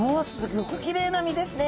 ギョくきれいな身ですね。